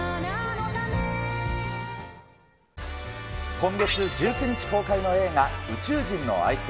今月１９日公開の映画、宇宙人のあいつ。